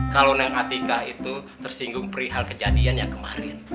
kalau neng atika itu tersinggung perihal kejadian yang kemarin